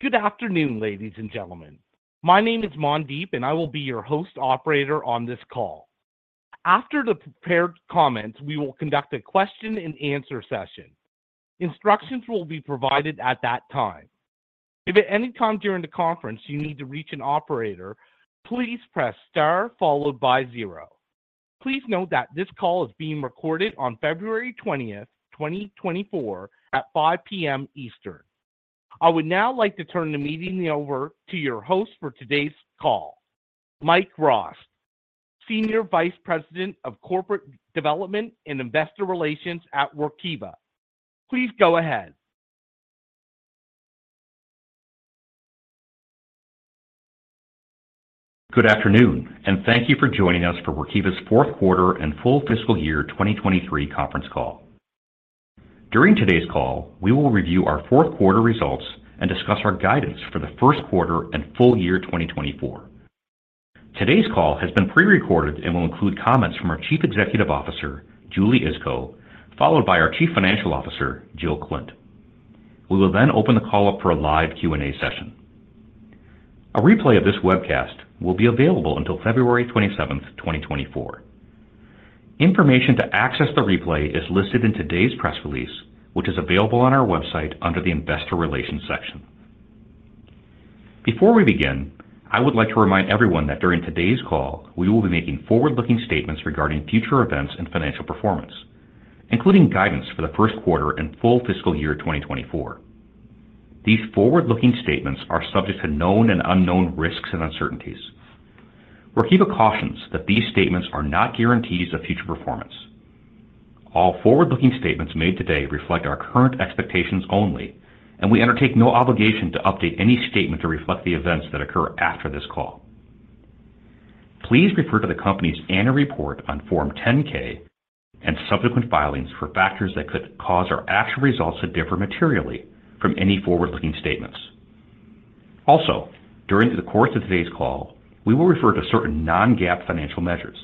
Good afternoon, ladies and gentlemen. My name is Mandeep, and I will be your host-operator on this call. After the prepared comments, we will conduct a question-and-answer session. Instructions will be provided at that time. If at any time during the conference you need to reach an operator, please press star followed by 0. Please note that this call is being recorded on February 20, 2024, at 5:00 P.M. Eastern. I would now like to turn the meeting over to your host for today's call, Mike Rost, Senior Vice President of Corporate Development and Investor Relations at Workiva. Please go ahead. Good afternoon, and thank you for joining us for Workiva's fourth quarter and full fiscal year 2023 conference call. During today's call, we will review our fourth quarter results and discuss our guidance for the first quarter and full year 2024. Today's call has been prerecorded and will include comments from our Chief Executive Officer, Julie Iskow, followed by our Chief Financial Officer, Jill Klindt. We will then open the call up for a live Q&A session. A replay of this webcast will be available until February 27, 2024. Information to access the replay is listed in today's press release, which is available on our website under the Investor Relations section. Before we begin, I would like to remind everyone that during today's call, we will be making forward-looking statements regarding future events and financial performance, including guidance for the first quarter and full fiscal year 2024. These forward-looking statements are subject to known and unknown risks and uncertainties. Workiva cautions that these statements are not guarantees of future performance. All forward-looking statements made today reflect our current expectations only, and we undertake no obligation to update any statement to reflect the events that occur after this call. Please refer to the company's annual report on Form 10-K and subsequent filings for factors that could cause our actual results to differ materially from any forward-looking statements. Also, during the course of today's call, we will refer to certain non-GAAP financial measures.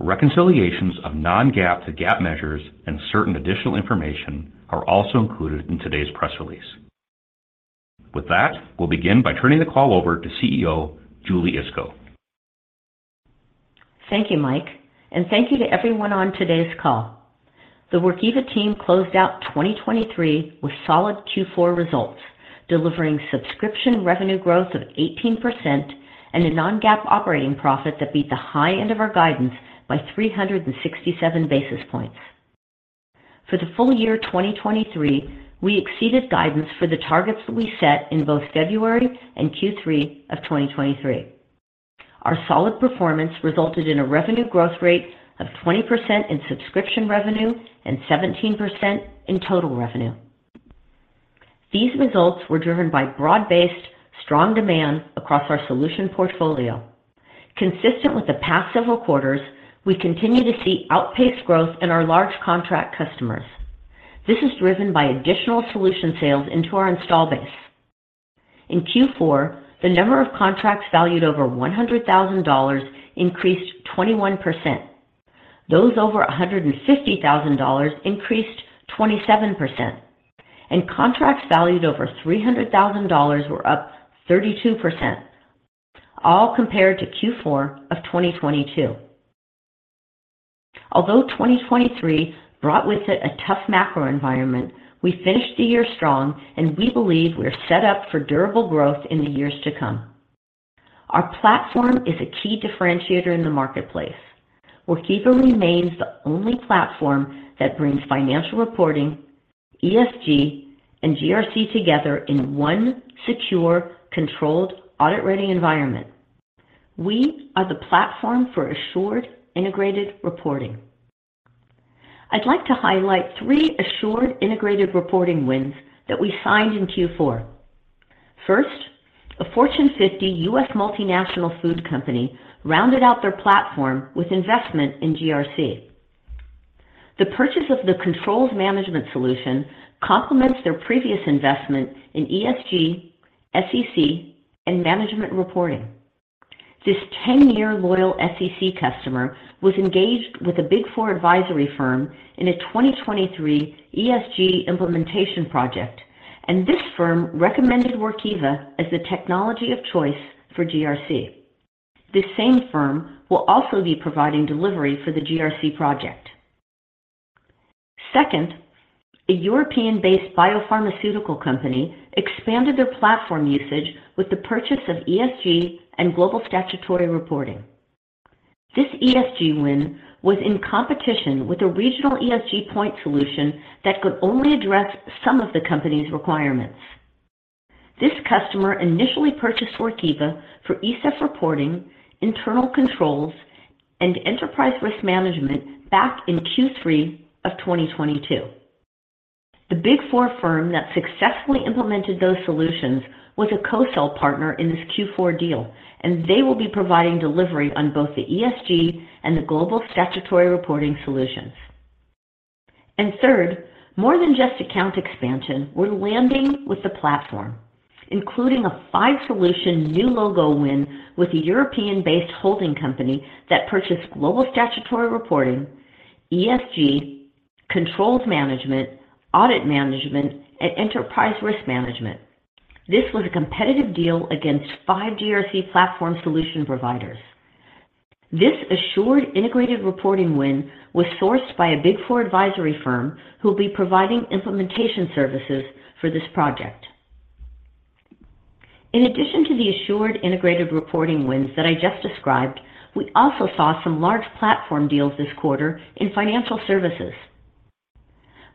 Reconciliations of non-GAAP to GAAP measures and certain additional information are also included in today's press release. With that, we'll begin by turning the call over to CEO Julie Iskow. Thank you, Mike, and thank you to everyone on today's call. The Workiva team closed out 2023 with solid Q4 results, delivering subscription revenue growth of 18% and a non-GAAP operating profit that beat the high end of our guidance by 367 basis points. For the full year 2023, we exceeded guidance for the targets that we set in both February and Q3 of 2023. Our solid performance resulted in a revenue growth rate of 20% in subscription revenue and 17% in total revenue. These results were driven by broad-based, strong demand across our solution portfolio. Consistent with the past several quarters, we continue to see outpaced growth in our large contract customers. This is driven by additional solution sales into our install base. In Q4, the number of contracts valued over $100,000 increased 21%. Those over $150,000 increased 27%, and contracts valued over $300,000 were up 32%, all compared to Q4 of 2022. Although 2023 brought with it a tough macro environment, we finished the year strong, and we believe we're set up for durable growth in the years to come. Our platform is a key differentiator in the marketplace. Workiva remains the only platform that brings financial reporting, ESG, and GRC together in one secure, controlled, audit-ready environment. We are the platform for assured, integrated reporting. I'd like to highlight three assured, integrated reporting wins that we signed in Q4. First, a Fortune 50 U.S. multinational food company rounded out their platform with investment in GRC. The purchase of the controls management solution complements their previous investment in ESG, SEC, and management reporting. This 10-year loyal SEC customer was engaged with a Big Four advisory firm in a 2023 ESG implementation project, and this firm recommended Workiva as the technology of choice for GRC. This same firm will also be providing delivery for the GRC project. Second, a European-based biopharmaceutical company expanded their platform usage with the purchase of ESG and global statutory reporting. This ESG win was in competition with a regional ESG point solution that could only address some of the company's requirements. This customer initially purchased Workiva for ESEF reporting, internal controls, and enterprise risk management back in Q3 of 2022. The Big Four firm that successfully implemented those solutions was a co-sell partner in this Q4 deal, and they will be providing delivery on both the ESG and the global statutory reporting solutions. And third, more than just account expansion, we're landing with the platform, including a five-solution new logo win with a European-based holding company that purchased global statutory reporting, ESG, controls management, audit management, and enterprise risk management. This was a competitive deal against five GRC platform solution providers. This assured, integrated reporting win was sourced by a Big Four advisory firm who will be providing implementation services for this project. In addition to the assured, integrated reporting wins that I just described, we also saw some large platform deals this quarter in financial services.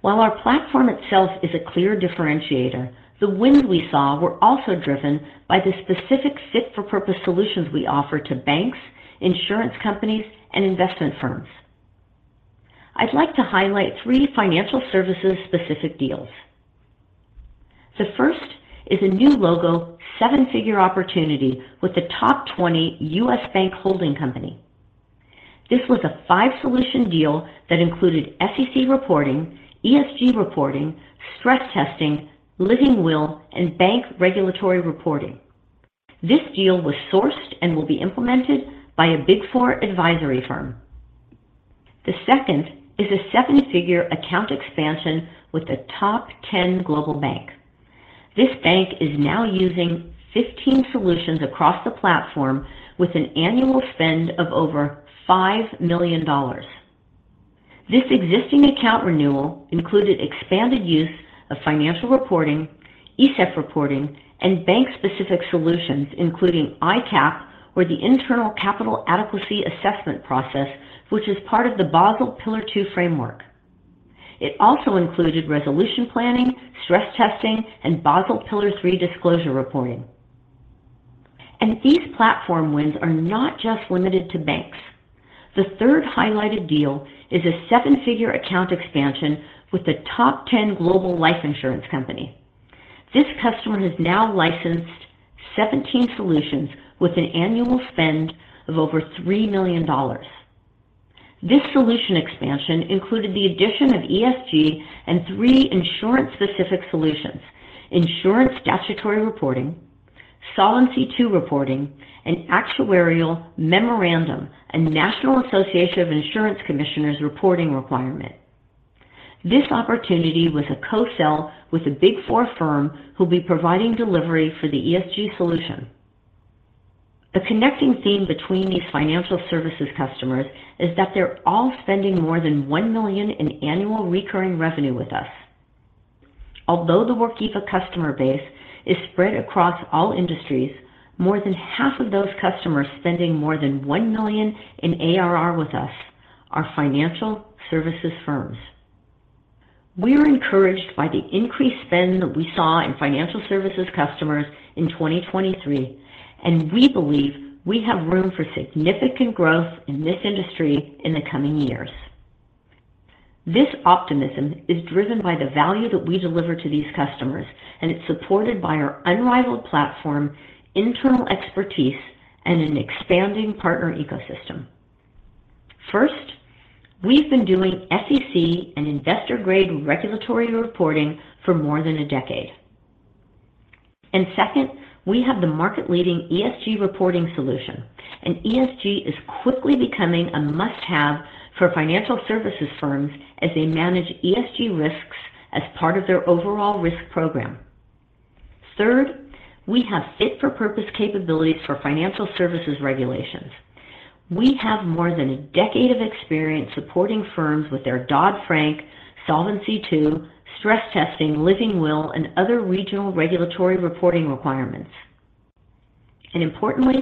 While our platform itself is a clear differentiator, the wins we saw were also driven by the specific fit-for-purpose solutions we offer to banks, insurance companies, and investment firms. I'd like to highlight three financial services-specific deals. The first is a new logo seven-figure opportunity with the top 20 U.S. bank holding company. This was a 5-solution deal that included SEC reporting, ESG reporting, stress testing, living will, and bank regulatory reporting. This deal was sourced and will be implemented by a Big Four advisory firm. The second is a seven-figure account expansion with the top 10 global bank. This bank is now using 15 solutions across the platform with an annual spend of over $5 million. This existing account renewal included expanded use of financial reporting, ESEF reporting, and bank-specific solutions including ICAAP, or the Internal Capital Adequacy Assessment Process, which is part of the Basel Pillar II framework. It also included resolution planning, stress testing, and Basel Pillar III disclosure reporting. These platform wins are not just limited to banks. The third highlighted deal is a seven-figure account expansion with the top 10 global life insurance company. This customer has now licensed 17 solutions with an annual spend of over $3 million. This solution expansion included the addition of ESG and three insurance-specific solutions: insurance statutory reporting, Solvency II reporting, an actuarial memorandum, and National Association of Insurance Commissioners reporting requirement. This opportunity was a co-sell with a Big Four firm who will be providing delivery for the ESG solution. A connecting theme between these financial services customers is that they're all spending more than $1 million in annual recurring revenue with us. Although the Workiva customer base is spread across all industries, more than half of those customers spending more than $1 million in ARR with us are financial services firms. We are encouraged by the increased spend that we saw in financial services customers in 2023, and we believe we have room for significant growth in this industry in the coming years. This optimism is driven by the value that we deliver to these customers, and it's supported by our unrivaled platform, internal expertise, and an expanding partner ecosystem. First, we've been doing SEC and investor-grade regulatory reporting for more than a decade. And second, we have the market-leading ESG reporting solution, and ESG is quickly becoming a must-have for financial services firms as they manage ESG risks as part of their overall risk program. Third, we have fit-for-purpose capabilities for financial services regulations. We have more than a decade of experience supporting firms with their Dodd-Frank, Solvency II, stress testing, Living Will, and other regional regulatory reporting requirements. And importantly,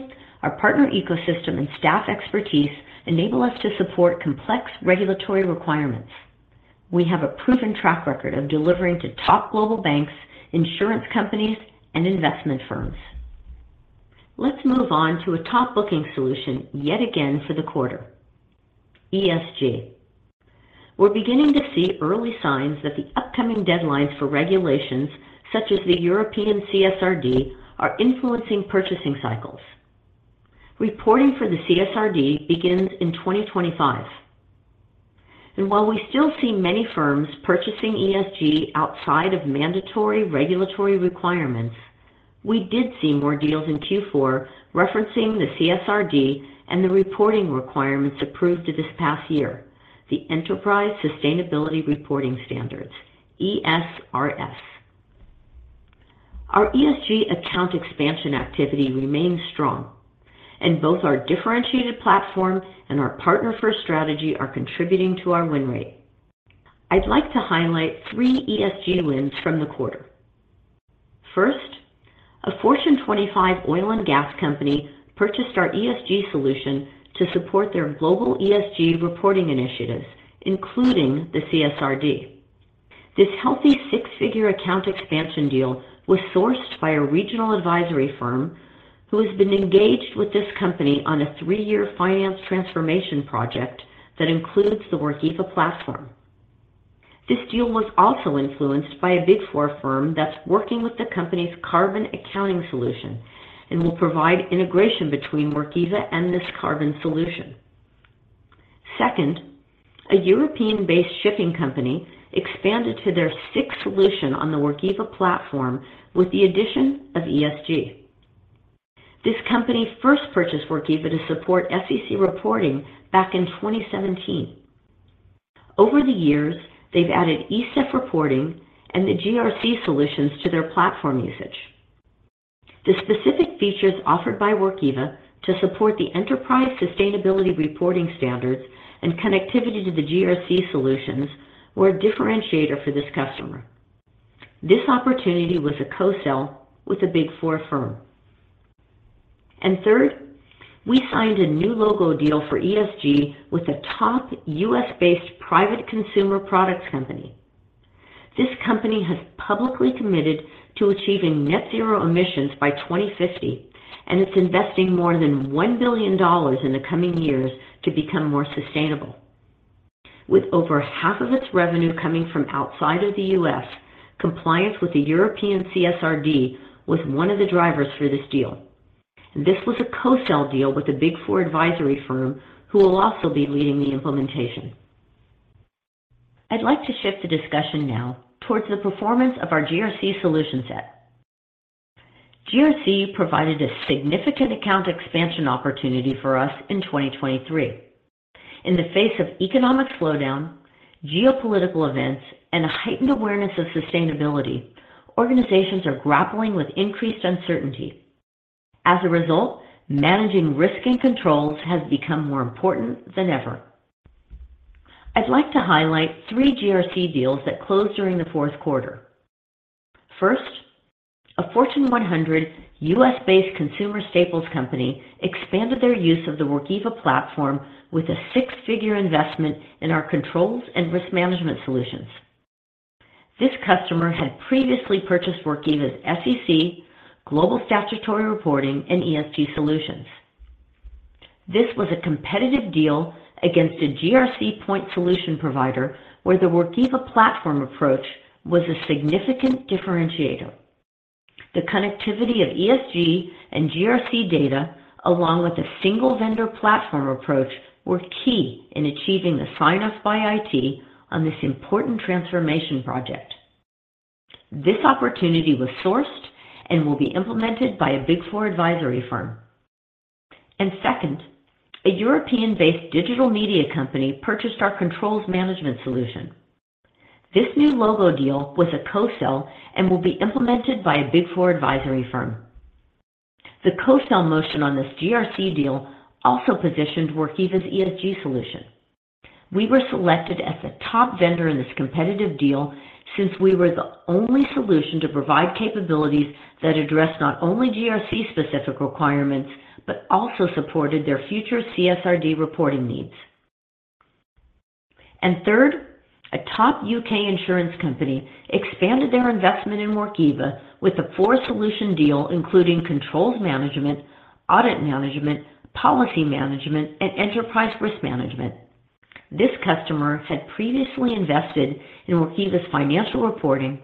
our partner ecosystem and staff expertise enable us to support complex regulatory requirements. We have a proven track record of delivering to top global banks, insurance companies, and investment firms. Let's move on to a top-booking solution yet again for the quarter: ESG. We're beginning to see early signs that the upcoming deadlines for regulations, such as the European CSRD, are influencing purchasing cycles. Reporting for the CSRD begins in 2025. And while we still see many firms purchasing ESG outside of mandatory regulatory requirements, we did see more deals in Q4 referencing the CSRD and the reporting requirements approved this past year, the European Sustainability Reporting Standards, ESRS. Our ESG account expansion activity remains strong, and both our differentiated platform and our partner-first strategy are contributing to our win rate. I'd like to highlight three ESG wins from the quarter. First, a Fortune 25 oil and gas company purchased our ESG solution to support their global ESG reporting initiatives, including the CSRD. This healthy six-figure account expansion deal was sourced by a regional advisory firm who has been engaged with this company on a three-year finance transformation project that includes the Workiva platform. This deal was also influenced by a Big Four firm that's working with the company's carbon accounting solution and will provide integration between Workiva and this carbon solution. Second, a European-based shipping company expanded to their sixth solution on the Workiva platform with the addition of ESG. This company first purchased Workiva to support SEC reporting back in 2017. Over the years, they've added ESEF reporting and the GRC solutions to their platform usage. The specific features offered by Workiva to support the European Sustainability Reporting Standards and connectivity to the GRC solutions were a differentiator for this customer. This opportunity was a co-sell with a Big Four firm. Third, we signed a new logo deal for ESG with a top U.S.-based private consumer products company. This company has publicly committed to achieving net-zero emissions by 2050, and it's investing more than $1 billion in the coming years to become more sustainable. With over half of its revenue coming from outside of the U.S., compliance with the European CSRD was one of the drivers for this deal. This was a co-sell deal with a Big Four advisory firm who will also be leading the implementation. I'd like to shift the discussion now towards the performance of our GRC solution set. GRC provided a significant account expansion opportunity for us in 2023. In the face of economic slowdown, geopolitical events, and a heightened awareness of sustainability, organizations are grappling with increased uncertainty. As a result, managing risk and controls has become more important than ever. I'd like to highlight three GRC deals that closed during the fourth quarter. First, a Fortune 100 U.S.-based consumer staples company expanded their use of the Workiva platform with a six-figure investment in our controls and risk management solutions. This customer had previously purchased Workiva's SEC, global statutory reporting, and ESG solutions. This was a competitive deal against a GRC point solution provider where the Workiva platform approach was a significant differentiator. The connectivity of ESG and GRC data, along with a single vendor platform approach, were key in achieving the sign-off by IT on this important transformation project. This opportunity was sourced and will be implemented by a Big Four advisory firm. Second, a European-based digital media company purchased our controls management solution. This new logo deal was a co-sell and will be implemented by a Big Four advisory firm. The co-sell motion on this GRC deal also positioned Workiva's ESG solution. We were selected as the top vendor in this competitive deal since we were the only solution to provide capabilities that address not only GRC-specific requirements but also supported their future CSRD reporting needs. And third, a top UK insurance company expanded their investment in Workiva with a four-solution deal including controls management, audit management, policy management, and enterprise risk management. This customer had previously invested in Workiva's financial reporting,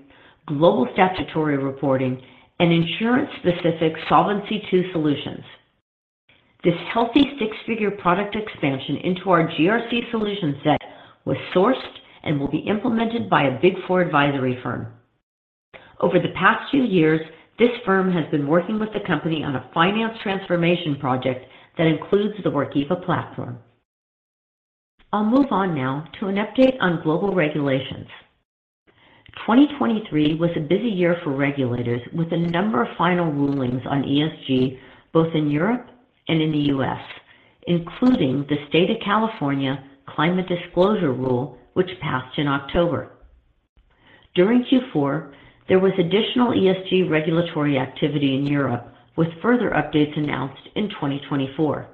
global statutory reporting, and insurance-specific Solvency II solutions. This healthy six-figure product expansion into our GRC solution set was sourced and will be implemented by a Big Four advisory firm. Over the past few years, this firm has been working with the company on a finance transformation project that includes the Workiva platform. I'll move on now to an update on global regulations. 2023 was a busy year for regulators with a number of final rulings on ESG both in Europe and in the U.S., including the State of California climate disclosure rule, which passed in October. During Q4, there was additional ESG regulatory activity in Europe, with further updates announced in 2024.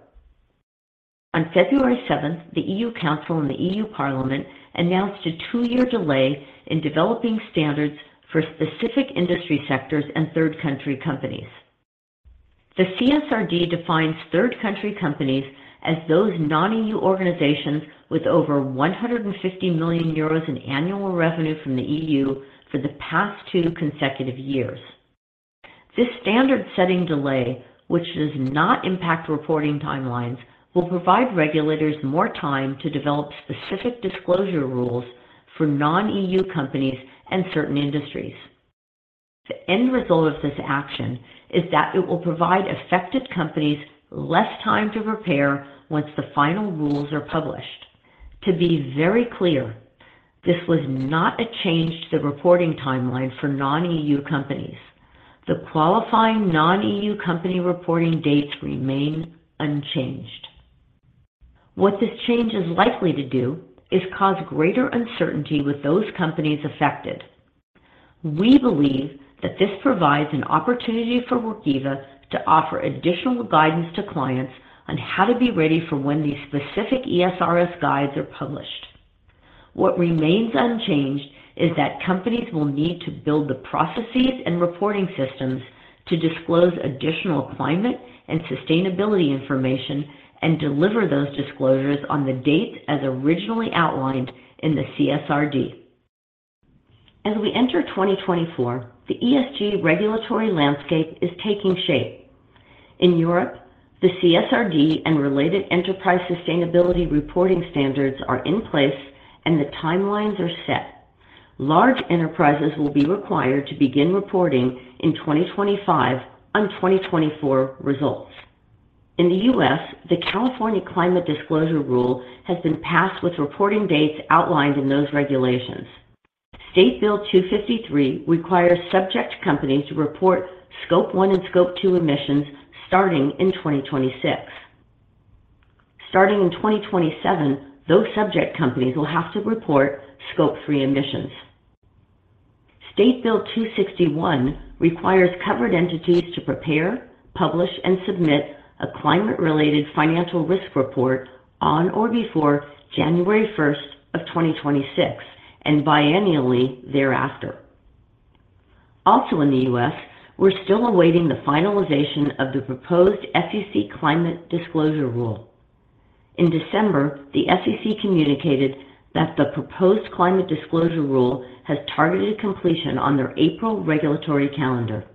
On February 7th, the EU Council and the EU Parliament announced a two-year delay in developing standards for specific industry sectors and third-country companies. The CSRD defines third-country companies as those non-EU organizations with over 150 million euros in annual revenue from the EU for the past two consecutive years. This standard-setting delay, which does not impact reporting timelines, will provide regulators more time to develop specific disclosure rules for non-EU companies and certain industries. The end result of this action is that it will provide affected companies less time to prepare once the final rules are published. To be very clear, this was not a change to the reporting timeline for non-EU companies. The qualifying non-EU company reporting dates remain unchanged. What this change is likely to do is cause greater uncertainty with those companies affected. We believe that this provides an opportunity for Workiva to offer additional guidance to clients on how to be ready for when these specific ESRS guides are published. What remains unchanged is that companies will need to build the processes and reporting systems to disclose additional climate and sustainability information and deliver those disclosures on the dates as originally outlined in the CSRD. As we enter 2024, the ESG regulatory landscape is taking shape. In Europe, the CSRD and related European Sustainability Reporting Standards are in place, and the timelines are set. Large enterprises will be required to begin reporting in 2025 on 2024 results. In the U.S., the California climate disclosure rule has been passed with reporting dates outlined in those regulations. State Bill 253 requires subject companies to report Scope I and Scope II emissions starting in 2026. Starting in 2027, those subject companies will have to report Scope III emissions. State Bill 261 requires covered entities to prepare, publish, and submit a climate-related financial risk report on or before January 1st of 2026 and biannually thereafter. Also in the U.S., we're still awaiting the finalization of the proposed SEC climate disclosure rule. In December, the SEC communicated that the proposed climate disclosure rule has targeted completion on their April regulatory calendar.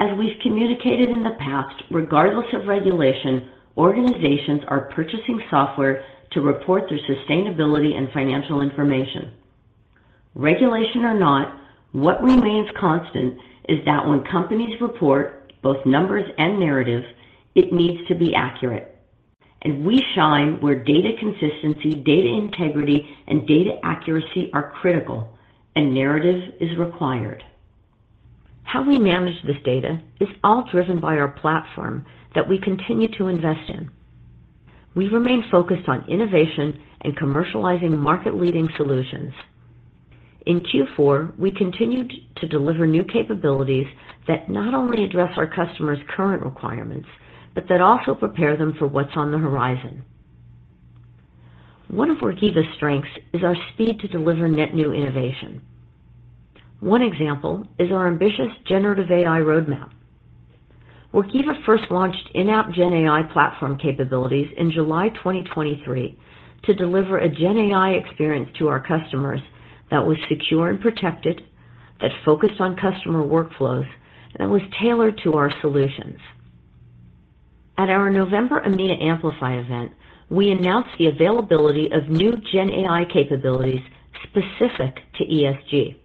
As we've communicated in the past, regardless of regulation, organizations are purchasing software to report their sustainability and financial information. Regulation or not, what remains constant is that when companies report both numbers and narratives, it needs to be accurate. We shine where data consistency, data integrity, and data accuracy are critical, and narrative is required. How we manage this data is all driven by our platform that we continue to invest in. We remain focused on innovation and commercializing market-leading solutions. In Q4, we continued to deliver new capabilities that not only address our customers' current requirements but that also prepare them for what's on the horizon. One of Workiva's strengths is our speed to deliver net new innovation. One example is our ambitious generative AI roadmap. Workiva first launched in-app GenAI platform capabilities in July 2023 to deliver a GenAI experience to our customers that was secure and protected, that focused on customer workflows, and that was tailored to our solutions. At our November Amplify event, we announced the availability of new GenAI capabilities specific to ESG.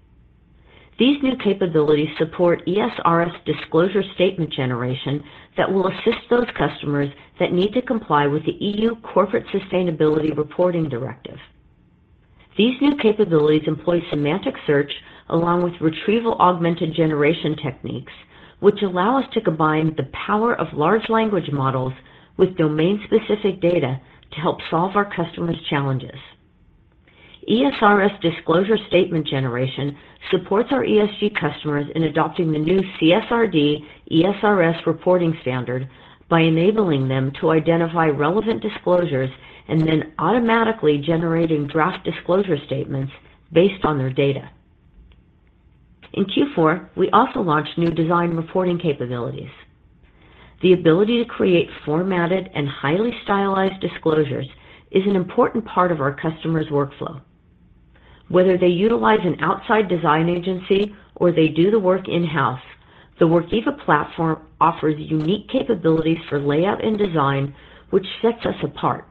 These new capabilities support ESRS disclosure statement generation that will assist those customers that need to comply with the EU Corporate Sustainability Reporting Directive. These new capabilities employ semantic search along with retrieval-augmented generation techniques, which allow us to combine the power of large language models with domain-specific data to help solve our customers' challenges. ESRS disclosure statement generation supports our ESG customers in adopting the new CSRD ESRS reporting standard by enabling them to identify relevant disclosures and then automatically generating draft disclosure statements based on their data. In Q4, we also launched new design reporting capabilities. The ability to create formatted and highly stylized disclosures is an important part of our customers' workflow. Whether they utilize an outside design agency or they do the work in-house, the Workiva platform offers unique capabilities for layout and design, which sets us apart.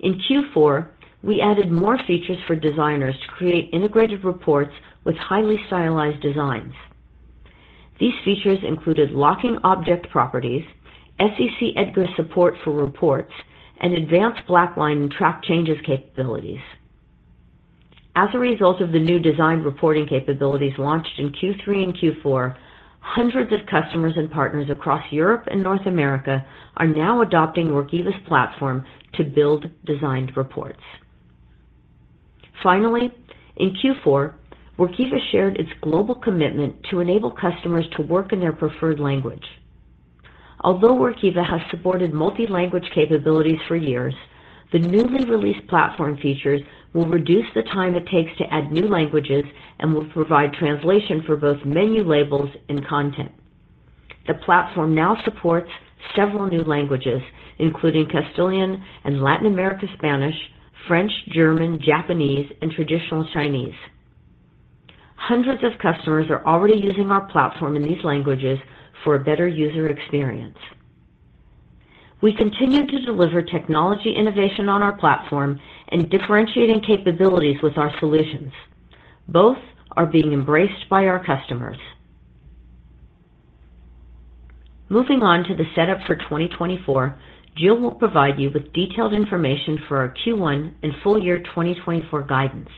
In Q4, we added more features for designers to create integrated reports with highly stylized designs. These features included locking object properties, SEC EDGAR support for reports, and advanced blackline and track changes capabilities. As a result of the new design reporting capabilities launched in Q3 and Q4, hundreds of customers and partners across Europe and North America are now adopting Workiva's platform to build designed reports. Finally, in Q4, Workiva shared its global commitment to enable customers to work in their preferred language. Although Workiva has supported multi-language capabilities for years, the newly released platform features will reduce the time it takes to add new languages and will provide translation for both menu labels and content. The platform now supports several new languages, including Castilian and Latin American Spanish, French, German, Japanese, and traditional Chinese. Hundreds of customers are already using our platform in these languages for a better user experience. We continue to deliver technology innovation on our platform and differentiating capabilities with our solutions. Both are being embraced by our customers. Moving on to the setup for 2024, Jill will provide you with detailed information for our Q1 and full-year 2024 guidance.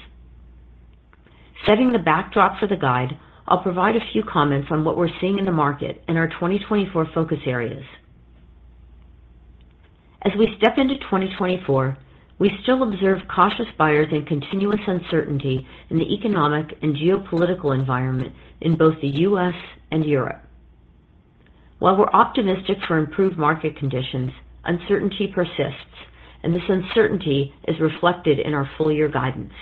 Setting the backdrop for the guide, I'll provide a few comments on what we're seeing in the market and our 2024 focus areas. As we step into 2024, we still observe cautious buyers and continuous uncertainty in the economic and geopolitical environment in both the U.S. and Europe. While we're optimistic for improved market conditions, uncertainty persists, and this uncertainty is reflected in our full-year guidance.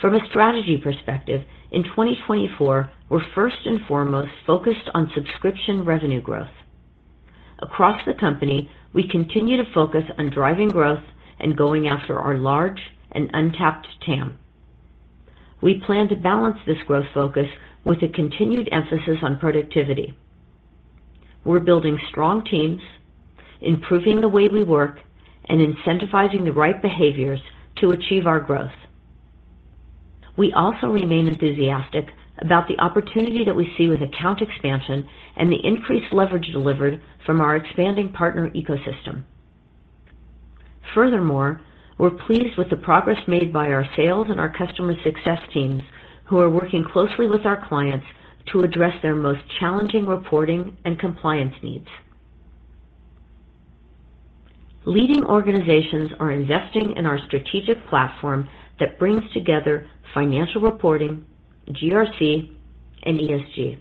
From a strategy perspective, in 2024, we're first and foremost focused on subscription revenue growth. Across the company, we continue to focus on driving growth and going after our large and untapped TAM. We plan to balance this growth focus with a continued emphasis on productivity. We're building strong teams, improving the way we work, and incentivizing the right behaviors to achieve our growth. We also remain enthusiastic about the opportunity that we see with account expansion and the increased leverage delivered from our expanding partner ecosystem. Furthermore, we're pleased with the progress made by our sales and our customer success teams who are working closely with our clients to address their most challenging reporting and compliance needs. Leading organizations are investing in our strategic platform that brings together financial reporting, GRC, and ESG.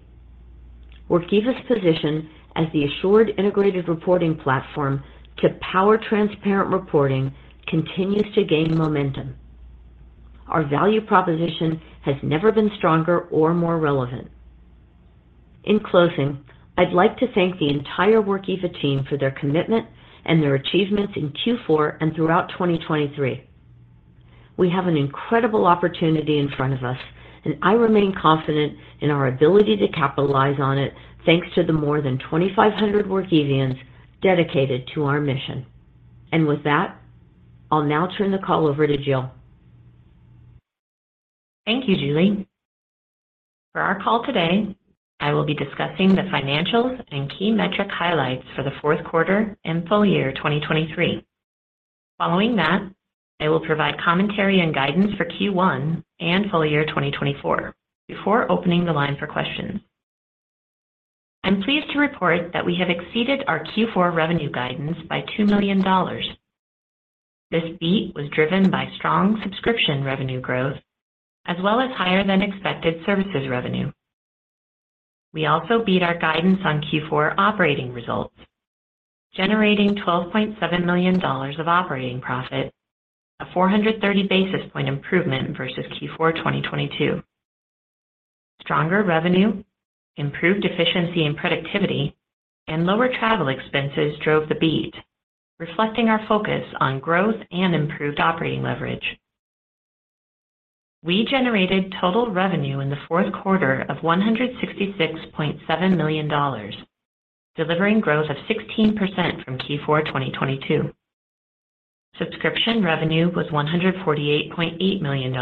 Workiva's position as the assured integrated reporting platform to power transparent reporting continues to gain momentum. Our value proposition has never been stronger or more relevant. In closing, I'd like to thank the entire Workiva team for their commitment and their achievements in Q4 and throughout 2023. We have an incredible opportunity in front of us, and I remain confident in our ability to capitalize on it thanks to the more than 2,500 Workivians dedicated to our mission. With that, I'll now turn the call over to Jill. Thank you, Julie. For our call today, I will be discussing the financials and key metric highlights for the fourth quarter and full year 2023. Following that, I will provide commentary and guidance for Q1 and full year 2024 before opening the line for questions. I'm pleased to report that we have exceeded our Q4 revenue guidance by $2 million. This beat was driven by strong subscription revenue growth as well as higher-than-expected services revenue. We also beat our guidance on Q4 operating results, generating $12.7 million of operating profit, a 430 basis point improvement versus Q4 2022. Stronger revenue, improved efficiency and productivity, and lower travel expenses drove the beat, reflecting our focus on growth and improved operating leverage. We generated total revenue in the fourth quarter of $166.7 million, delivering growth of 16% from Q4 2022. Subscription revenue was $148.8 million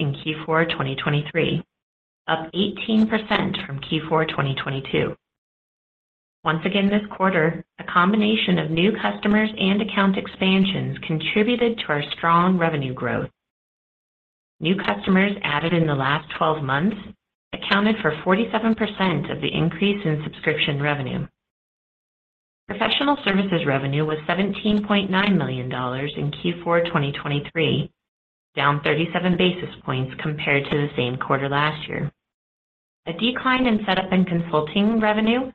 in Q4 2023, up 18% from Q4 2022. Once again, this quarter, a combination of new customers and account expansions contributed to our strong revenue growth. New customers added in the last 12 months accounted for 47% of the increase in subscription revenue. Professional services revenue was $17.9 million in Q4 2023, down 37 basis points compared to the same quarter last year. A decline in setup and consulting revenue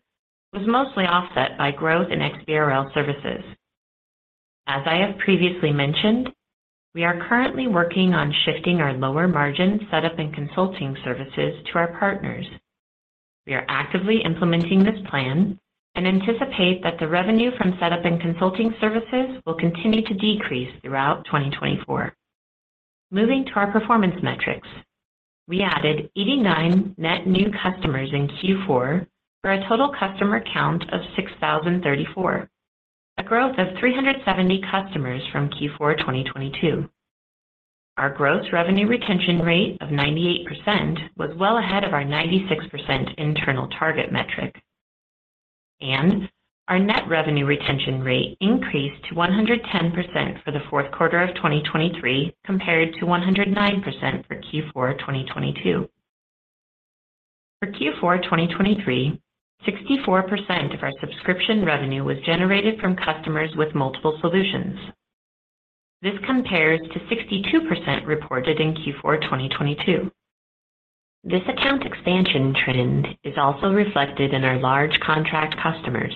was mostly offset by growth in XBRL services. As I have previously mentioned, we are currently working on shifting our lower margin setup and consulting services to our partners. We are actively implementing this plan and anticipate that the revenue from setup and consulting services will continue to decrease throughout 2024. Moving to our performance metrics, we added 89 net new customers in Q4 for a total customer count of 6,034, a growth of 370 customers from Q4 2022. Our gross revenue retention rate of 98% was well ahead of our 96% internal target metric, and our net revenue retention rate increased to 110% for the fourth quarter of 2023 compared to 109% for Q4 2022. For Q4 2023, 64% of our subscription revenue was generated from customers with multiple solutions. This compares to 62% reported in Q4 2022. This account expansion trend is also reflected in our large contract customers.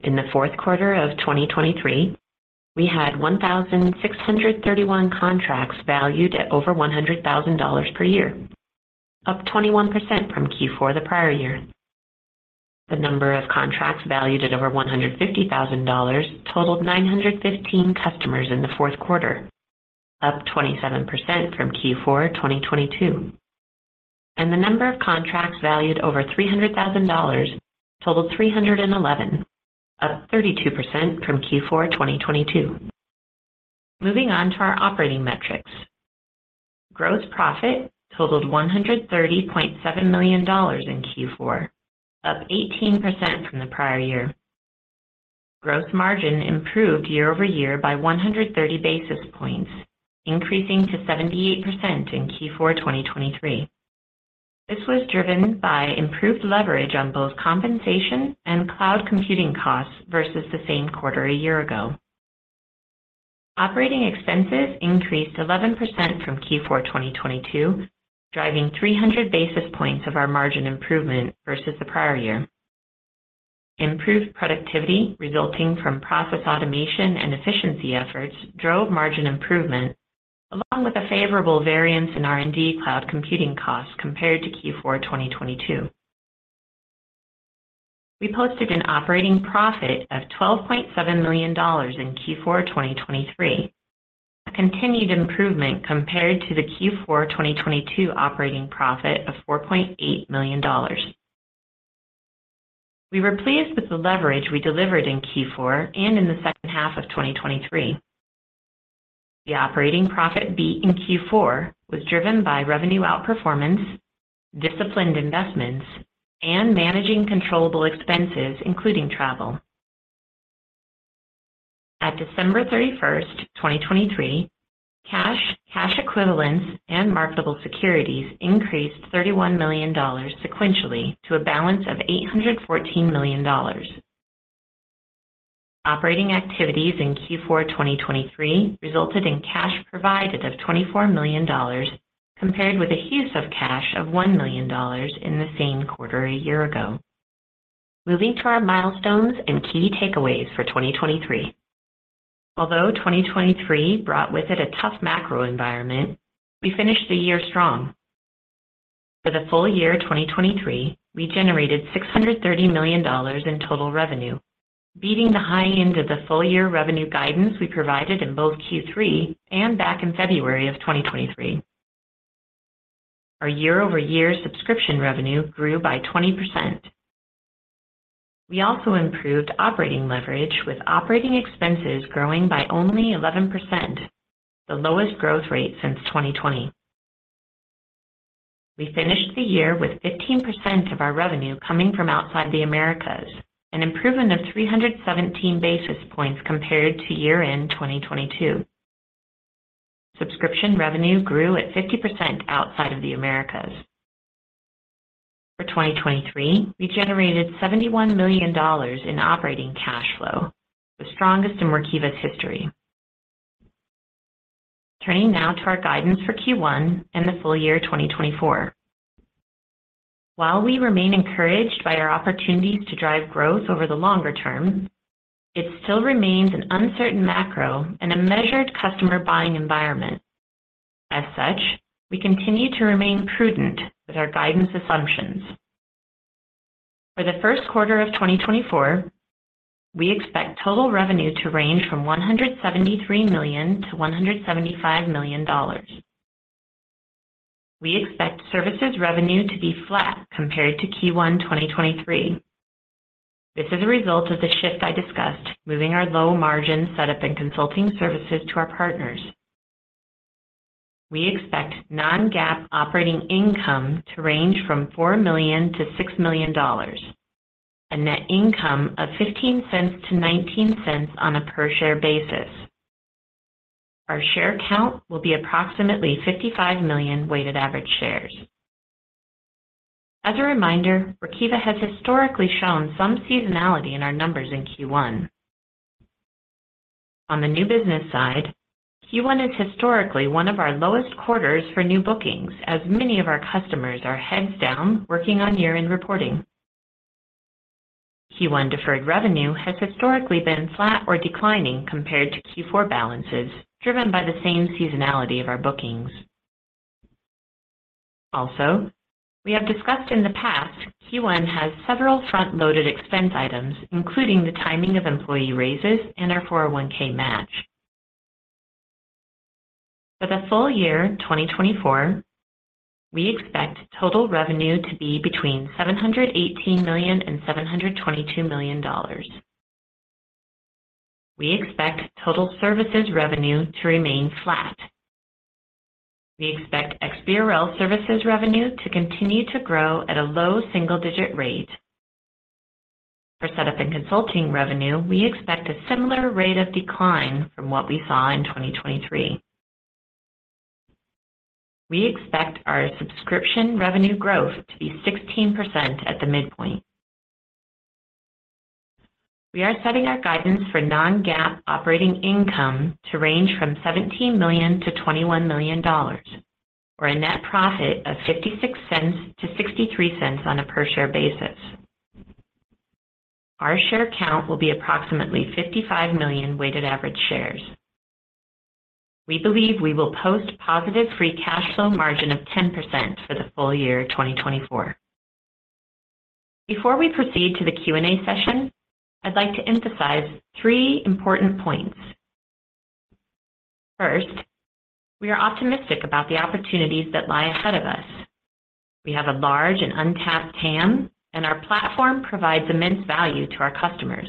In the fourth quarter of 2023, we had 1,631 contracts valued at over $100,000 per year, up 21% from Q4 the prior year. The number of contracts valued at over $150,000 totaled 915 customers in the fourth quarter, up 27% from Q4 2022. The number of contracts valued over $300,000 totaled 311, up 32% from Q4 2022. Moving on to our operating metrics, gross profit totaled $130.7 million in Q4, up 18% from the prior year. Gross margin improved year over year by 130 basis points, increasing to 78% in Q4 2023. This was driven by improved leverage on both compensation and cloud computing costs versus the same quarter a year ago. Operating expenses increased 11% from Q4 2022, driving 300 basis points of our margin improvement versus the prior year. Improved productivity resulting from process automation and efficiency efforts drove margin improvement along with a favorable variance in R&D cloud computing costs compared to Q4 2022. We posted an operating profit of $12.7 million in Q4 2023, a continued improvement compared to the Q4 2022 operating profit of $4.8 million. We were pleased with the leverage we delivered in Q4 and in the second half of 2023. The operating profit beat in Q4 was driven by revenue outperformance, disciplined investments, and managing controllable expenses, including travel. At December 31st, 2023, cash, cash equivalents, and marketable securities increased $31 million sequentially to a balance of $814 million. Operating activities in Q4 2023 resulted in cash provided of $24 million compared with a use of cash of $1 million in the same quarter a year ago. Moving to our milestones and key takeaways for 2023. Although 2023 brought with it a tough macro environment, we finished the year strong. For the full year 2023, we generated $630 million in total revenue, beating the high end of the full-year revenue guidance we provided in both Q3 and back in February of 2023. Our year-over-year subscription revenue grew by 20%. We also improved operating leverage with operating expenses growing by only 11%, the lowest growth rate since 2020. We finished the year with 15% of our revenue coming from outside the Americas, an improvement of 317 basis points compared to year-end 2022. Subscription revenue grew at 50% outside of the Americas. For 2023, we generated $71 million in operating cash flow, the strongest in Workiva's history. Turning now to our guidance for Q1 and the full year 2024. While we remain encouraged by our opportunities to drive growth over the longer term, it still remains an uncertain macro and a measured customer buying environment. As such, we continue to remain prudent with our guidance assumptions. For the first quarter of 2024, we expect total revenue to range from $173 million-$175 million. We expect services revenue to be flat compared to Q1 2023. This is a result of the shift I discussed, moving our low margin setup and consulting services to our partners. We expect non-GAAP operating income to range from $4 million-$6 million, a net income of $0.15-$0.19 on a per-share basis. Our share count will be approximately 55 million weighted average shares. As a reminder, Workiva has historically shown some seasonality in our numbers in Q1. On the new business side, Q1 is historically one of our lowest quarters for new bookings as many of our customers are heads down working on year-end reporting. Q1 deferred revenue has historically been flat or declining compared to Q4 balances, driven by the same seasonality of our bookings. Also, we have discussed in the past, Q1 has several front-loaded expense items, including the timing of employee raises and our 401(k) match. For the full year 2024, we expect total revenue to be between $718 million and $722 million. We expect total services revenue to remain flat. We expect XBRL services revenue to continue to grow at a low single-digit rate. For setup and consulting revenue, we expect a similar rate of decline from what we saw in 2023. We expect our subscription revenue growth to be 16% at the midpoint. We are setting our guidance for non-GAAP operating income to range from $17 million to $21 million, or a net profit of $0.56-$0.63 on a per-share basis. Our share count will be approximately 55 million weighted average shares. We believe we will post positive free cash flow margin of 10% for the full year 2024. Before we proceed to the Q&A session, I'd like to emphasize three important points. First, we are optimistic about the opportunities that lie ahead of us. We have a large and untapped TAM, and our platform provides immense value to our customers.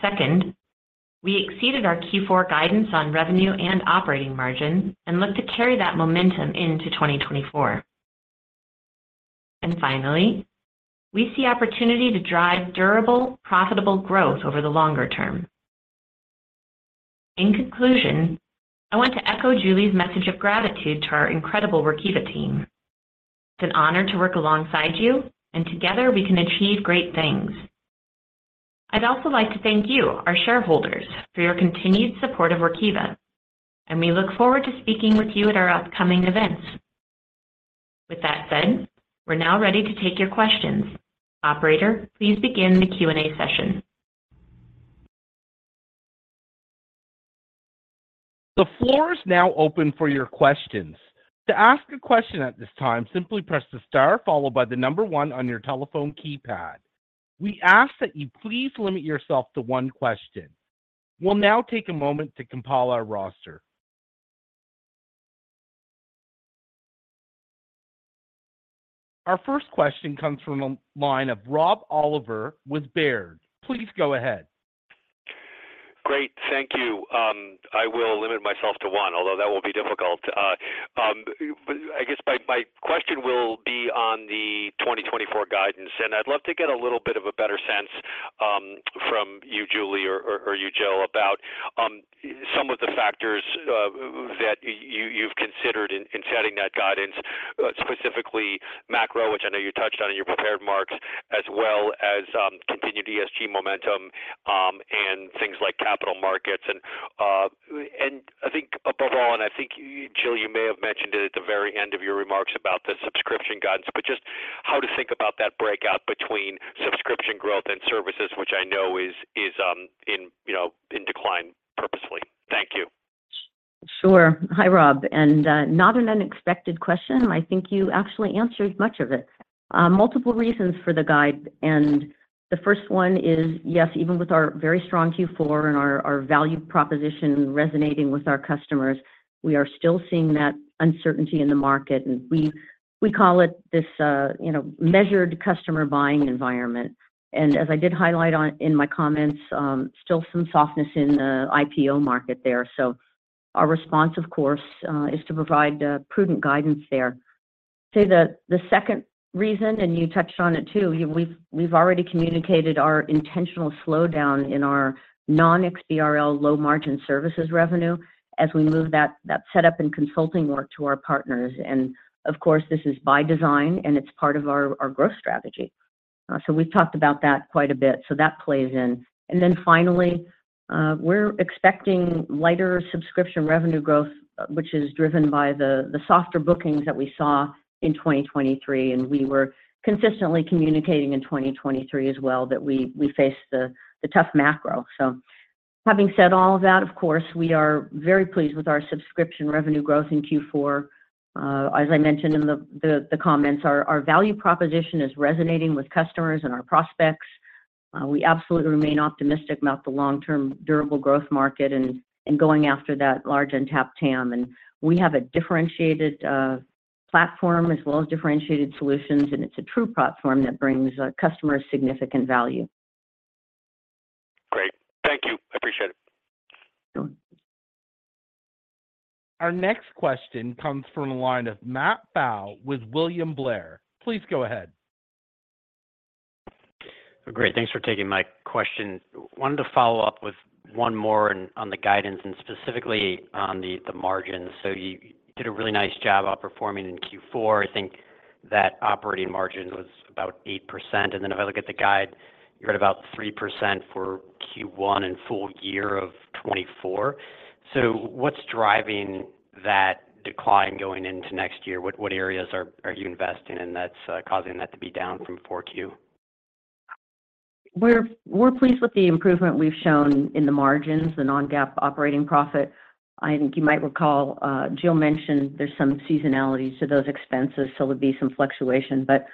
Second, we exceeded our Q4 guidance on revenue and operating margin and look to carry that momentum into 2024. And finally, we see opportunity to drive durable, profitable growth over the longer term. In conclusion, I want to echo Julie's message of gratitude to our incredible Workiva team. It's an honor to work alongside you, and together we can achieve great things. I'd also like to thank you, our shareholders, for your continued support of Workiva, and we look forward to speaking with you at our upcoming events. With that said, we're now ready to take your questions. Operator, please begin the Q&A session. The floor is now open for your questions. To ask a question at this time, simply press the star followed by the number one on your telephone keypad. We ask that you please limit yourself to one question. We'll now take a moment to compile our roster. Our first question comes from a line of Rob Oliver with Baird. Please go ahead. Great. Thank you. I will limit myself to one, although that will be difficult. I guess my question will be on the 2024 guidance, and I'd love to get a little bit of a better sense from you, Julie, or you, Jill, about some of the factors that you've considered in setting that guidance, specifically macro, which I know you touched on in your prepared remarks, as well as continued ESG momentum and things like capital markets. And I think above all, and I think, Jill, you may have mentioned it at the very end of your remarks about the subscription guidance, but just how to think about that breakout between subscription growth and services, which I know is in decline purposely. Thank you. Sure. Hi, Rob. And not an unexpected question. I think you actually answered much of it. Multiple reasons for the guide. And the first one is, yes, even with our very strong Q4 and our value proposition resonating with our customers, we are still seeing that uncertainty in the market. And we call it this measured customer buying environment. And as I did highlight in my comments, still some softness in the IPO market there. So our response, of course, is to provide prudent guidance there. I'd say the second reason, and you touched on it too, we've already communicated our intentional slowdown in our non-XBRL low-margin services revenue as we move that setup and consulting work to our partners. And of course, this is by design, and it's part of our growth strategy. So we've talked about that quite a bit. So that plays in. Then finally, we're expecting lighter subscription revenue growth, which is driven by the softer bookings that we saw in 2023. We were consistently communicating in 2023 as well that we faced the tough macro. Having said all of that, of course, we are very pleased with our subscription revenue growth in Q4. As I mentioned in the comments, our value proposition is resonating with customers and our prospects. We absolutely remain optimistic about the long-term durable growth market and going after that large untapped TAM. We have a differentiated platform as well as differentiated solutions, and it's a true platform that brings customers significant value. Great. Thank you. I appreciate it. Sure. Our next question comes from a line of Matt Pfau with William Blair. Please go ahead. Great. Thanks for taking my question. Wanted to follow up with one more on the guidance and specifically on the margins. You did a really nice job outperforming in Q4. I think that operating margin was about 8%. Then if I look at the guide, you're at about 3% for Q1 and full year of 2024. What's driving that decline going into next year? What areas are you investing in that's causing that to be down from 4Q? We're pleased with the improvement we've shown in the margins, the non-GAAP operating profit. I think you might recall, Jill mentioned there's some seasonality to those expenses, so there'll be some fluctuation. But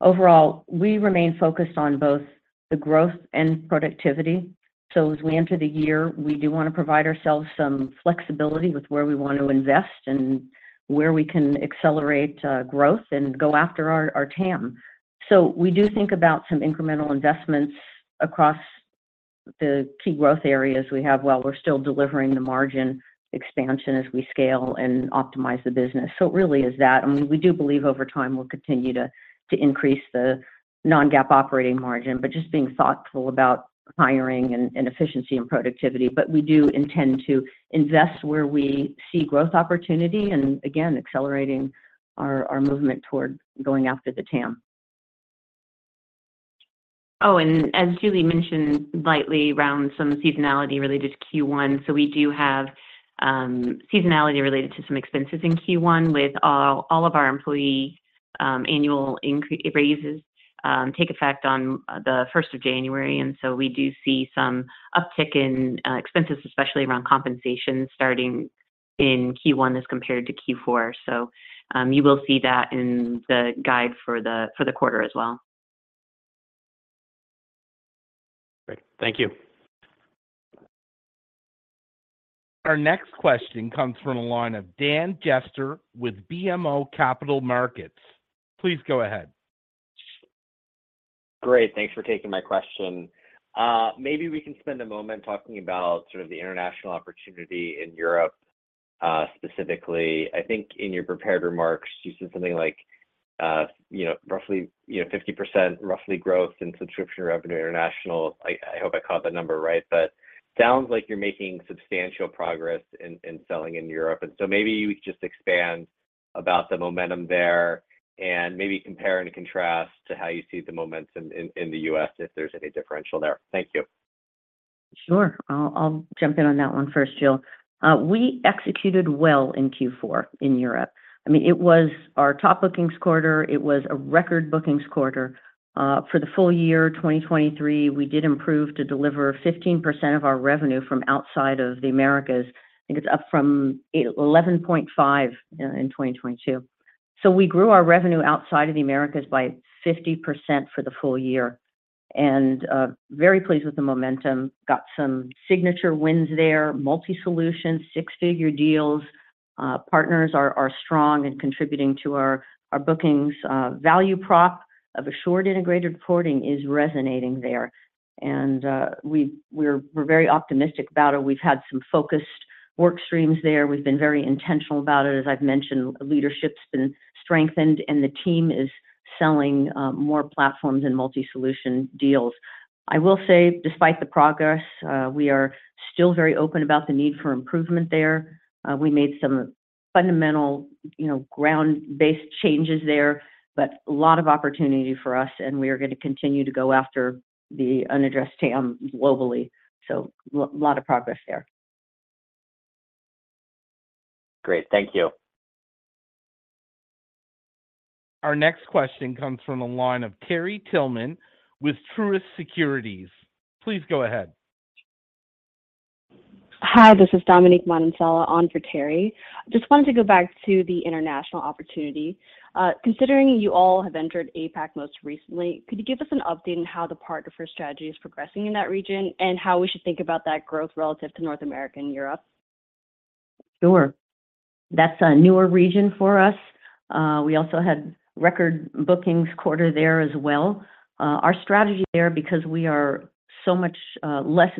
overall, we remain focused on both the growth and productivity. So as we enter the year, we do want to provide ourselves some flexibility with where we want to invest and where we can accelerate growth and go after our TAM. So we do think about some incremental investments across the key growth areas we have while we're still delivering the margin expansion as we scale and optimize the business. So it really is that. And we do believe over time we'll continue to increase the non-GAAP operating margin, but just being thoughtful about hiring and efficiency and productivity. But we do intend to invest where we see growth opportunity and, again, accelerating our movement toward going after the TAM. Oh, and as Julie mentioned lightly around some seasonality related to Q1, so we do have seasonality related to some expenses in Q1 with all of our employee annual raises take effect on the 1st of January. And so we do see some uptick in expenses, especially around compensation, starting in Q1 as compared to Q4. So you will see that in the guide for the quarter as well. Great. Thank you. Our next question comes from a line of Dan Jester with BMO Capital Markets. Please go ahead. Great. Thanks for taking my question. Maybe we can spend a moment talking about sort of the international opportunity in Europe specifically. I think in your prepared remarks, you said something like roughly 50% roughly growth in subscription revenue international. I hope I caught the number right, but sounds like you're making substantial progress in selling in Europe. So maybe you could just expand about the momentum there and maybe compare and contrast to how you see the momentum in the US if there's any differential there. Thank you. Sure. I'll jump in on that one first, Jill. We executed well in Q4 in Europe. I mean, it was our top bookings quarter. It was a record bookings quarter. For the full year 2023, we did improve to deliver 15% of our revenue from outside of the Americas. I think it's up from 11.5% in 2022. So we grew our revenue outside of the Americas by 50% for the full year. And very pleased with the momentum. Got some signature wins there, multi-solution, six-figure deals. Partners are strong and contributing to our bookings. Value prop of assured integrated reporting is resonating there. And we're very optimistic about it. We've had some focused work streams there. We've been very intentional about it. As I've mentioned, leadership's been strengthened, and the team is selling more platforms and multi-solution deals. I will say, despite the progress, we are still very open about the need for improvement there. We made some fundamental ground-based changes there, but a lot of opportunity for us, and we are going to continue to go after the unaddressed TAM globally. So a lot of progress there. Great. Thank you. Our next question comes from a line of Terry Tillman with Truist Securities. Please go ahead. Hi. This is Dominique Manansala on for Terry. I just wanted to go back to the international opportunity. Considering you all have entered APAC most recently, could you give us an update on how the partner for strategy is progressing in that region and how we should think about that growth relative to North America and Europe? Sure. That's a newer region for us. We also had record bookings quarter there as well. Our strategy there, because we are so much less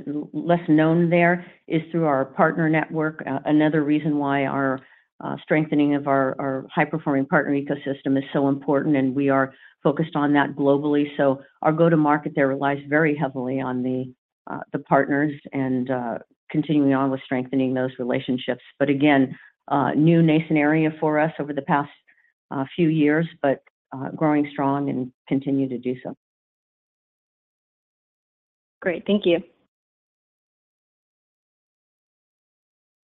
known there, is through our partner network. Another reason why our strengthening of our high-performing partner ecosystem is so important, and we are focused on that globally. So our go-to-market there relies very heavily on the partners and continuing on with strengthening those relationships. But again, new nascent area for us over the past few years, but growing strong and continue to do so. Great. Thank you.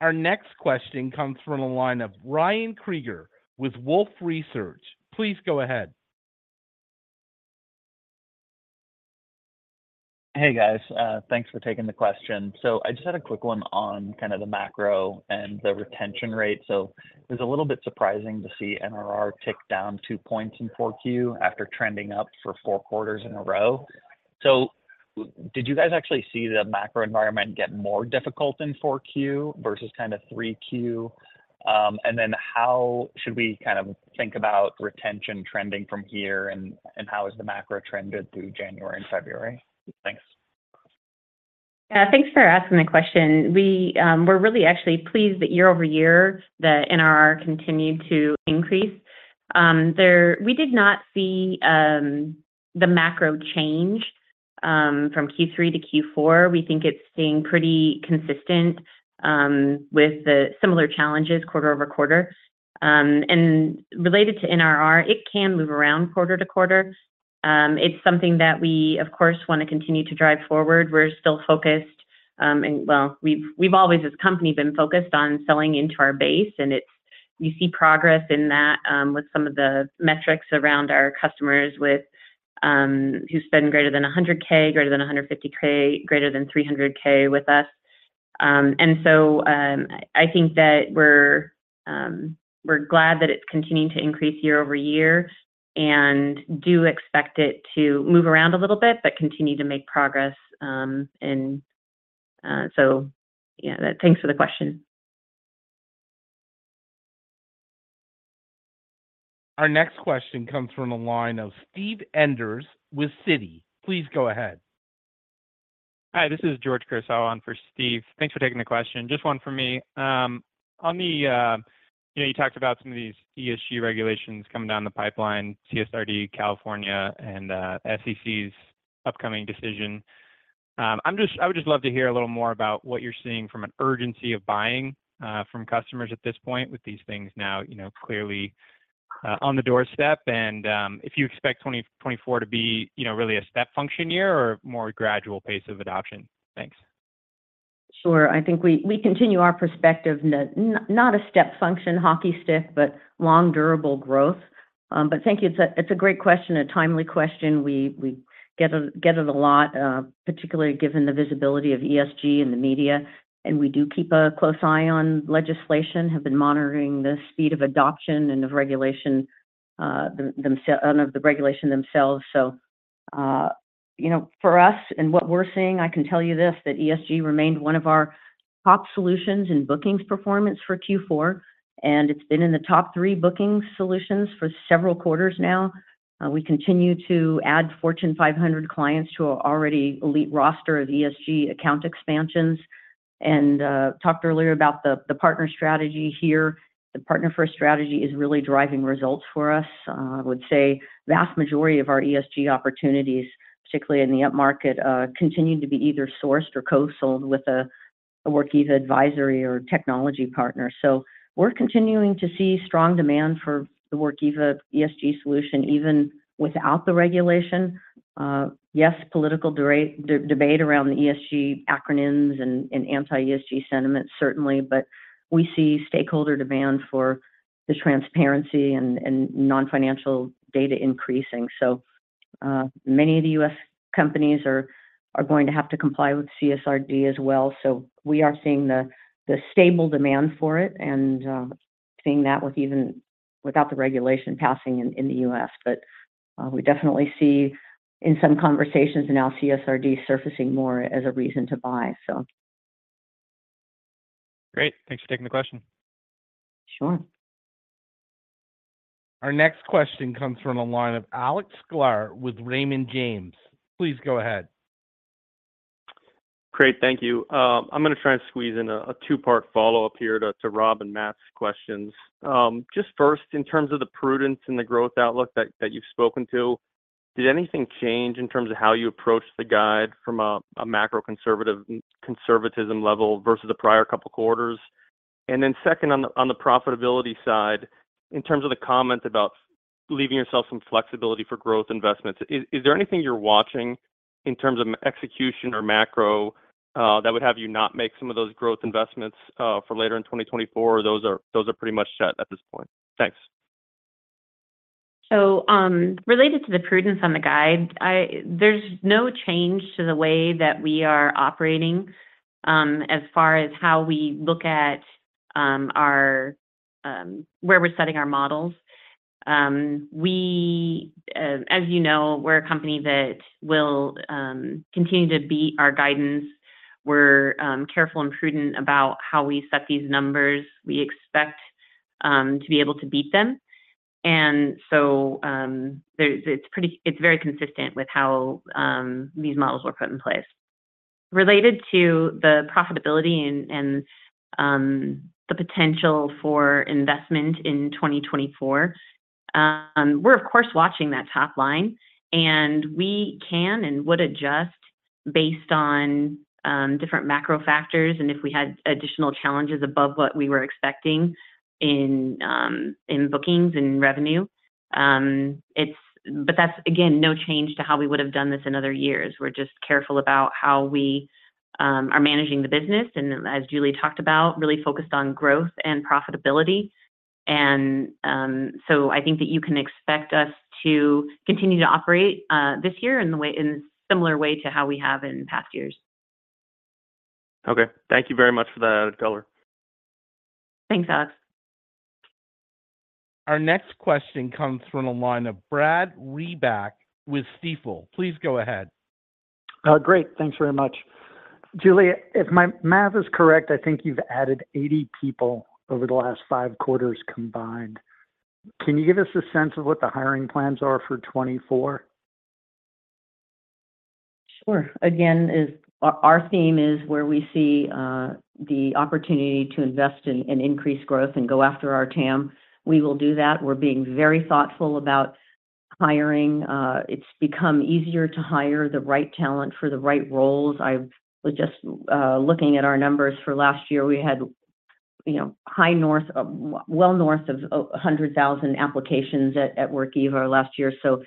Our next question comes from a line of Ryan Krieger with Wolfe Research. Please go ahead. Hey, guys. Thanks for taking the question. So I just had a quick one on kind of the macro and the retention rate. So it was a little bit surprising to see NRR tick down 2 points in 4Q after trending up for 4 quarters in a row. So did you guys actually see the macro environment get more difficult in 4Q versus kind of 3Q? And then how should we kind of think about retention trending from here, and how has the macro trended through January and February? Thanks. Yeah. Thanks for asking the question. We're really actually pleased that year-over-year, the NRR continued to increase. We did not see the macro change from Q3 to Q4. We think it's staying pretty consistent with the similar challenges quarter-over-quarter. And related to NRR, it can move around quarter-to-quarter. It's something that we, of course, want to continue to drive forward. We're still focused and, well, we've always as a company been focused on selling into our base, and we see progress in that with some of the metrics around our customers who spend greater than $100,000, greater than $150,000, greater than $300,000 with us. And so I think that we're glad that it's continuing to increase year-over-year and do expect it to move around a little bit but continue to make progress. And so yeah, thanks for the question. Our next question comes from a line of Steven Enders with Citi. Please go ahead. Hi. This is George Krios on for Steve. Thanks for taking the question. Just one for me. On what you talked about some of these ESG regulations coming down the pipeline, CSRD, California, and SEC's upcoming decision. I would just love to hear a little more about what you're seeing from an urgency of buying from customers at this point with these things now clearly on the doorstep. And if you expect 2024 to be really a step function year or a more gradual pace of adoption. Thanks. Sure. I think we continue our perspective, not a step function hockey stick, but long-durable growth. But thank you. It's a great question, a timely question. We get it a lot, particularly given the visibility of ESG in the media. We do keep a close eye on legislation, have been monitoring the speed of adoption and of regulation themselves. So for us and what we're seeing, I can tell you this, that ESG remained one of our top solutions in bookings performance for Q4, and it's been in the top three bookings solutions for several quarters now. We continue to add Fortune 500 clients to an already elite roster of ESG account expansions. And talked earlier about the partner strategy here, the partner for strategy is really driving results for us. I would say the vast majority of our ESG opportunities, particularly in the upmarket, continue to be either sourced or co-sold with a Workiva advisory or technology partner. So we're continuing to see strong demand for the Workiva ESG solution even without the regulation. Yes, political debate around the ESG acronyms and anti-ESG sentiments, certainly, but we see stakeholder demand for the transparency and non-financial data increasing. So many of the U.S. companies are going to have to comply with CSRD as well. So we are seeing the stable demand for it and seeing that without the regulation passing in the U.S. But we definitely see in some conversations now CSRD surfacing more as a reason to buy, so. Great. Thanks for taking the question. Sure. Our next question comes from a line of Alex Sklar with Raymond James. Please go ahead. Great. Thank you. I'm going to try and squeeze in a two-part follow-up here to Rob and Matt's questions. Just first, in terms of the prudence and the growth outlook that you've spoken to, did anything change in terms of how you approached the guide from a macro conservatism level versus the prior couple of quarters? And then second, on the profitability side, in terms of the comment about leaving yourself some flexibility for growth investments, is there anything you're watching in terms of execution or macro that would have you not make some of those growth investments for later in 2024, or those are pretty much set at this point? Thanks. Related to the prudence on the guide, there's no change to the way that we are operating as far as how we look at where we're setting our models. As you know, we're a company that will continue to beat our guidance. We're careful and prudent about how we set these numbers. We expect to be able to beat them. So it's very consistent with how these models were put in place. Related to the profitability and the potential for investment in 2024, we're, of course, watching that top line. We can and would adjust based on different macro factors and if we had additional challenges above what we were expecting in bookings and revenue. That's, again, no change to how we would have done this in other years. We're just careful about how we are managing the business and, as Julie talked about, really focused on growth and profitability. So I think that you can expect us to continue to operate this year in a similar way to how we have in past years. Okay. Thank you very much for that, Jill. Thanks, Alex. Our next question comes from a line of Brad Reback with Stifel. Please go ahead. Great. Thanks very much. Julie, if my math is correct, I think you've added 80 people over the last five quarters combined. Can you give us a sense of what the hiring plans are for 2024? Sure. Again, our theme is where we see the opportunity to invest in increased growth and go after our TAM. We will do that. We're being very thoughtful about hiring. It's become easier to hire the right talent for the right roles. I was just looking at our numbers for last year. We had well north of 100,000 applications at Workiva last year. So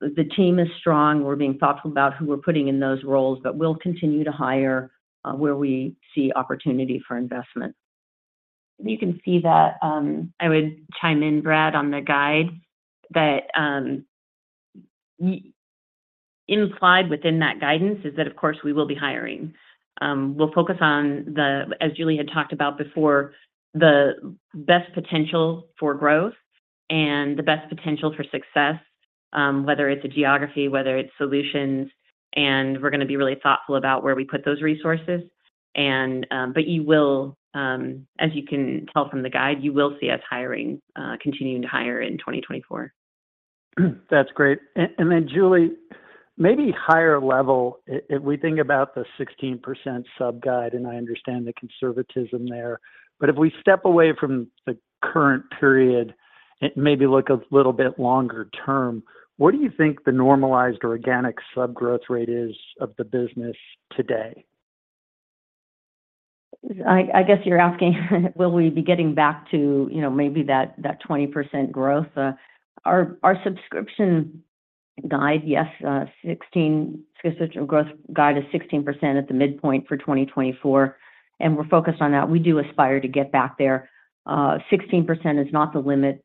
the team is strong. We're being thoughtful about who we're putting in those roles, but we'll continue to hire where we see opportunity for investment. You can see that. I would chime in, Brad, on the guide. Implied within that guidance is that, of course, we will be hiring. We'll focus on the, as Julie had talked about before, the best potential for growth and the best potential for success, whether it's a geography, whether it's solutions. And we're going to be really thoughtful about where we put those resources. As you can tell from the guide, you will see us continuing to hire in 2024. That's great. And then, Julie, maybe higher level, if we think about the 16% sub-guide, and I understand the conservatism there, but if we step away from the current period and maybe look a little bit longer term, what do you think the normalized organic sub-growth rate is of the business today? I guess you're asking, will we be getting back to maybe that 20% growth? Our subscription guide, yes, subscription growth guide is 16% at the midpoint for 2024, and we're focused on that. We do aspire to get back there. 16% is not the limit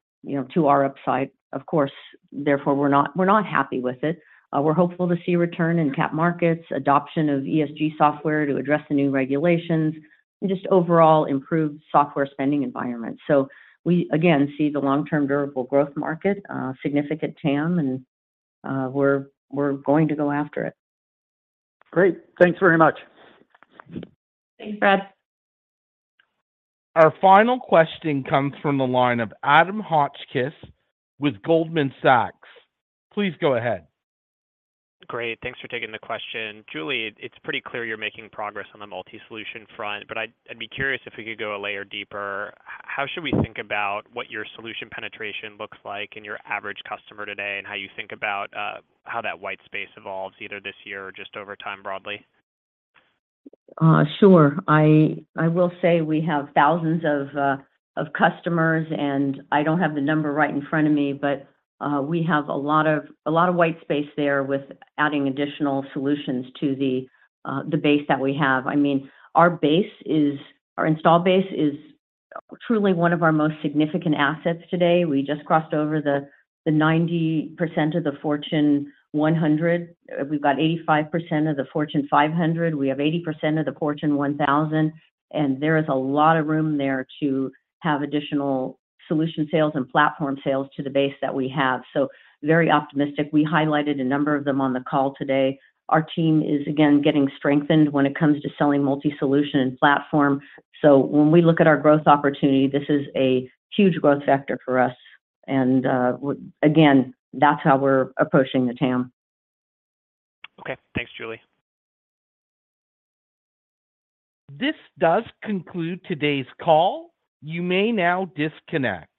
to our upside, of course. Therefore, we're not happy with it. We're hopeful to see return in capital markets, adoption of ESG software to address the new regulations, and just overall improved software spending environment. So we, again, see the long-term durable growth market, significant TAM, and we're going to go after it. Great. Thanks very much. Thanks, Brad. Our final question comes from the line of Adam Hotchkiss with Goldman Sachs. Please go ahead. Great. Thanks for taking the question. Julie, it's pretty clear you're making progress on the multi-solution front, but I'd be curious if we could go a layer deeper. How should we think about what your solution penetration looks like in your average customer today and how you think about how that white space evolves either this year or just over time broadly? Sure. I will say we have thousands of customers, and I don't have the number right in front of me, but we have a lot of white space there with adding additional solutions to the base that we have. I mean, our install base is truly one of our most significant assets today. We just crossed over the 90% of the Fortune 100. We've got 85% of the Fortune 500. We have 80% of the Fortune 1000. And there is a lot of room there to have additional solution sales and platform sales to the base that we have. So very optimistic. We highlighted a number of them on the call today. Our team is, again, getting strengthened when it comes to selling multi-solution and platform. So when we look at our growth opportunity, this is a huge growth factor for us. And again, that's how we're approaching the TAM. Okay. Thanks, Julie. This does conclude today's call. You may now disconnect.